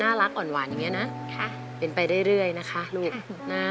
น่ารักอ่อนหวานอย่างเงี้ยนะค่ะเป็นไปได้เรื่อยนะคะลูกค่ะนะ